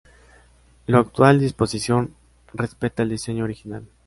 La actual disposición respeta el diseño original.